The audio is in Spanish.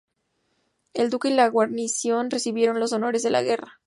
El duque y la guarnición recibieron los honores de la guerra.